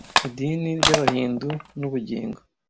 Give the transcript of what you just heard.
Idini ry’Abahindu n’ubugingo